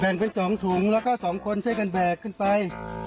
เป็น๒ถุงแล้วก็๒คนช่วยกันแบกขึ้นไป